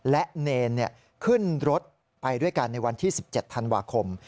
และเนรขึ้นรถไปด้วยกันในวันที่๑๗ธันวาคม